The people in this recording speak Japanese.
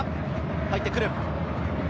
入ってくる。